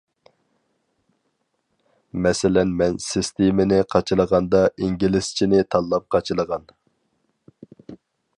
مەسىلەن مەن سىستېمىنى قاچىلىغاندا ئىنگلىزچىنى تاللاپ قاچىلىغان.